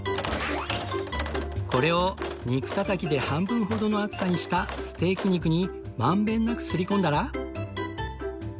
これを肉たたきで半分ほどの厚さにしたステーキ肉に満遍なくすり込んだら